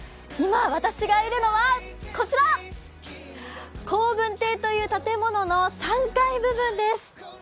今私がいるのはこちら好文亭という建物の３階部分です。